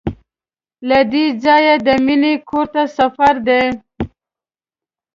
له دې ځایه د مینې کور ته سفر دی.